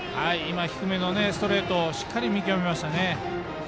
低めのストレートをしっかり見極めましたね。